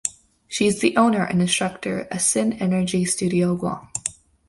She is the owner and instructor at Synergy Studio Guam.